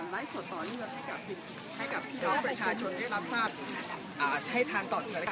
นี่ก็เป็นยากาศขนาดนี้นะคะ